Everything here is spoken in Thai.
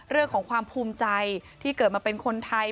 เรื่องของความภูมิใจที่เกิดมาเป็นคนไทย